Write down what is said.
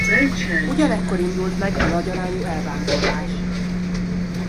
Ugyanekkor indult meg a nagyarányú elvándorlás.